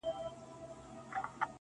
ستا هغه ګوته طلایي چیري ده.